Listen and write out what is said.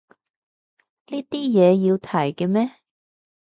呢啲嘢要提嘅咩